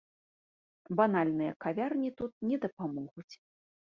Банальныя кавярні тут не дапамогуць.